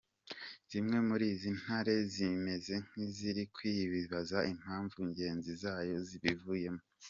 Zimwe muri izi ntare zimeze nk’iziri kwibaza impamvu ngenzi zayo zibivuyemo.